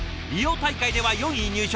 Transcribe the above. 大会では４位入賞。